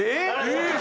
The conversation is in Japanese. えっ！